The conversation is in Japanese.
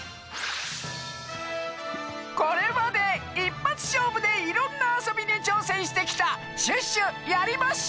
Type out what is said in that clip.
これまでいっぱつしょうぶでいろんなあそびにちょうせんしてきた「シュッシュやりまッシュ！」